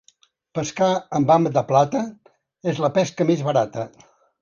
Pescar amb ham de plata és la pesca més barata.